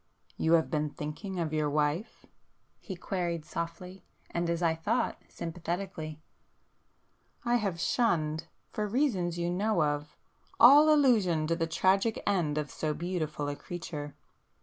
"You have been thinking of your wife?" he queried softly and, as I thought, sympathetically—"I have shunned,—for [p 439] reasons you know of,—all allusion to the tragic end of so beautiful a creature.